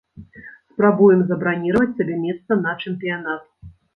Спрабуем забраніраваць сабе месца на чэмпіянат.